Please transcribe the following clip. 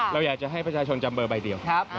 เราอยากจะให้ประชาชนจำเบอร์ใบเดียว